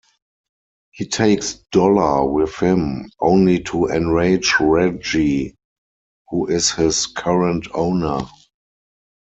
He takes Dollar with him, only to enrage Reggie, who is his current owner.